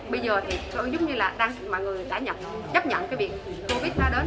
bây giờ thì giống như là mọi người đã nhập chấp nhận cái việc covid ra đến